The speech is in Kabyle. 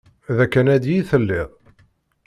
D akanadi i telliḍ?